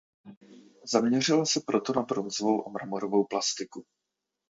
Zaměřila se proto na bronzovou a mramorovou plastiku.